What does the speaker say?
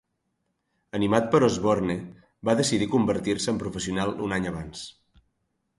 Animat per Osborne, va decidir convertir-se en professional un any abans.